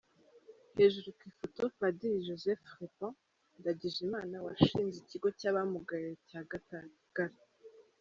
Hejuru ku ifoto : Padiri Joseph Fraipont Ndagijimana washinze ikigo cy’abamugaye cya Gatagara.